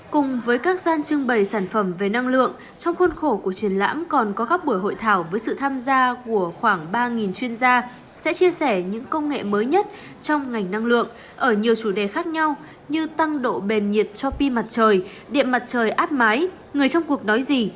cùng với các gian trưng bày sản phẩm về năng lượng trong khuôn khổ của triển lãm còn có các buổi hội thảo với sự tham gia của khoảng ba chuyên gia sẽ chia sẻ những công nghệ mới nhất trong ngành năng lượng ở nhiều chủ đề khác nhau như tăng độ bền nhiệt cho pi mặt trời điện mặt trời áp mái người trong cuộc nói gì